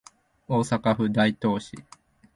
大阪府大東市